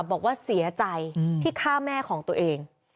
บอกว่าเสียใจที่ฆ่าแม่ของตัวเอง